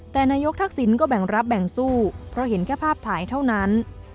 แต่นายกทักษิณก็แบ่งรับแบ่งสู้เพราะเห็นแค่ภาพถ่ายเท่านั้น